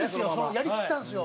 やりきったんですよ。